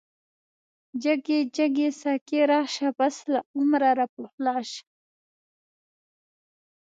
جگی جگی ساقی راشه، پس له عمره را پخلاشه